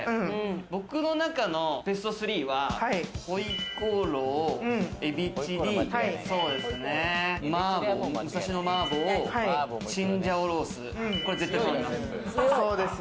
僕の中のベスト３は、ホイコーロウ、海老チリ、マーボー、チンジャオロース、これ絶対頼みます。